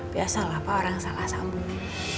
biasalah pak orang salah sambung